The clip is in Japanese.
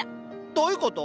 どういうこと？